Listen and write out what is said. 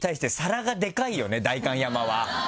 代官山は。